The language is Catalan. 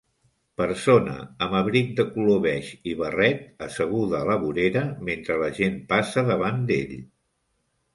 Persona amb abric de color beix i barret asseguda a la vorera mentre la gent passa davant d'ell.